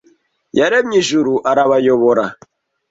Yaremye ijuru arabayobora